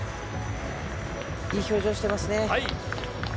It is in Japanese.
いい表情してますね。